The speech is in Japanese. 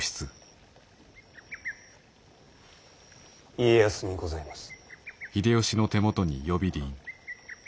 家康にございます。